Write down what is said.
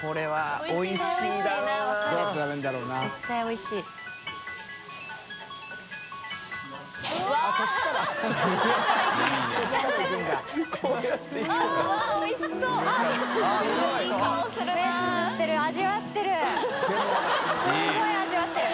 いぁすごい味わってる。